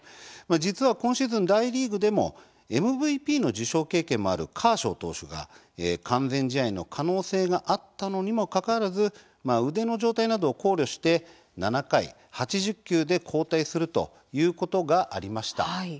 実は今シーズン、大リーグでもＭＶＰの受賞経験もあるカーショー投手が完全試合の可能性があったのにもかかわらず腕の状態などを考慮して７回、８０球で交代するということがありました。